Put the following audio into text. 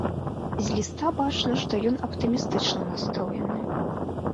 З ліста бачна, што ён аптымістычна настроены.